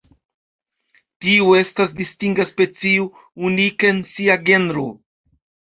Tiu estas distinga specio, unika en sia genro.